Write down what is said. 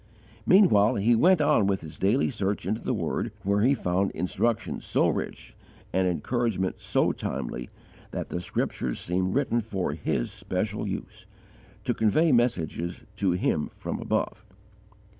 Meanwhile he went on with his daily search into the Word, where he found instruction so rich, and encouragement so timely, that the Scriptures seemed written for his special use to convey messages to him from above.